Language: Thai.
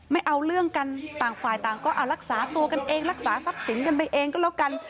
ไม่เอาเรื่องกันต่างฝ่ายต่างก็รักษาตัวกันเองรักษาทรัพย์สินกันไปเองก็แล้วกัน